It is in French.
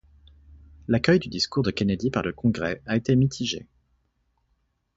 L'accueil du discours de Kennedy par le Congrès a été mitigé.